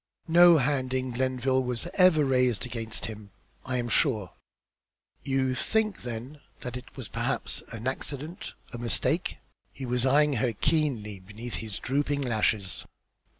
No hand in Glenville was ever raised against him, I am sure." "You think then that it was perhaps an accident, a mistake?" He was eyeing her keenly from beneath his drooping lashes.